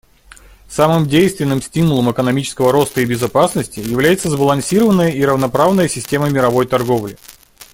Самым действенным стимулом экономического роста и безопасности является сбалансированная и равноправная система мировой торговли.